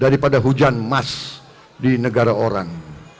daripada hujan emas di negara orang